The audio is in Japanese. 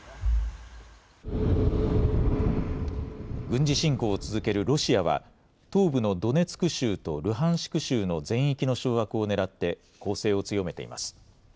軍事侵攻を続けるロシアは東部のドネツク州とルハンシク州の全域の掌握をねらって攻勢を強めています。